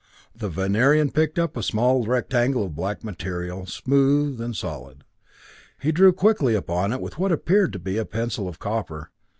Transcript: The Venerian had picked up a small rectangle of black material, smooth and solid. He drew quickly upon it with what appeared to be a pencil of copper.